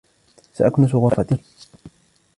سأكنس غرفتي.